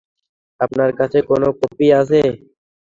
আপনার কাছে কোন কপি আছে?